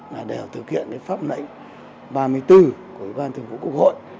là đều thực hiện pháp lãnh ba mươi bốn của ủy ban thượng vụ cục hội